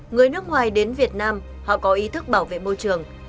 người nước ngoài đến việt nam họ có ý thức bảo vệ môi trường